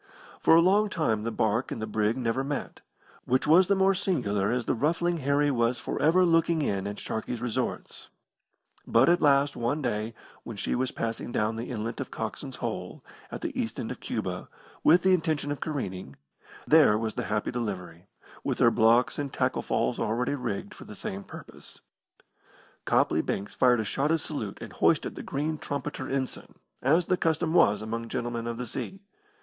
For a long time the barque and the brig never met, which was the more singular as the Ruffling Harry was for ever looking in at Sharkey's resorts; but at last one day, when she was passing down the inlet of Coxon's Hole, at the east end of Cuba, with the intention of careening, there was the Happy Delivery, with her blocks and tackle falls already rigged for the same purpose. Copley Banks fired a shotted salute and hoisted the green trumpeter ensign, as the custom was among gentlemen of the sea.